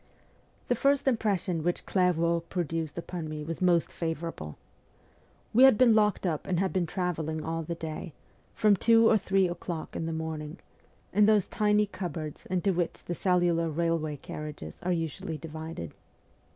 The first impression which Clairvaux produced upon me was most favourable. We had been locked up and had been travelling all the day, from two or three o'clock in the morning, in those tiny cupboards into which the cellular railway carriages are usually divided.